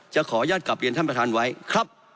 ขออนุญาตกลับเรียนท่านประธานไว้ครับ